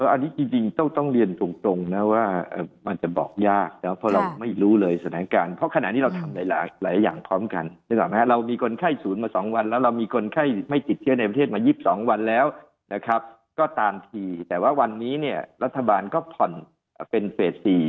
อันนี้จริงต้องเรียนตรงนะว่ามันจะบอกยากนะ